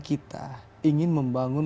kita ingin membangun